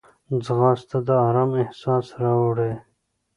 ځغاسته د آرام احساس راوړي